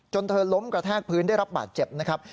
เธอล้มกระแทกพื้นได้รับบาดเจ็บนะครับ